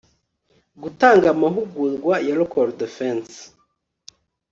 gutanga amahugurwa ya local defence